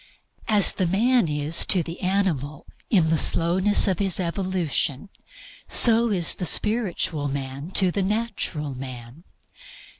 As the man is to the animal in the slowness of his evolution, so is the spiritual man to the natural man.